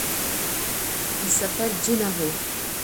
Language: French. Il s’appelle Gennaro.